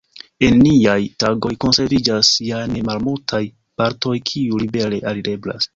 En niaj tagoj konserviĝas ja ne malmultaj partoj kiuj libere alireblas.